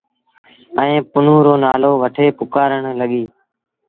ائيٚݩ پنهون رو نآلو وٺي پُڪآرڻ لڳيٚ۔